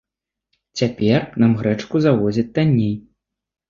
Цяпер нам грэчку завозяць танней.